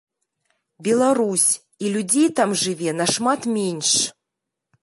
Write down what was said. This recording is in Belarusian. Беларусь, і людзей там жыве нашмат менш!